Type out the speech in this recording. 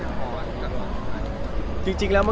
อ๋อน้องมีหลายคน